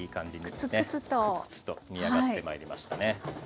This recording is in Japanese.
クツクツと煮上がってまいりましたね。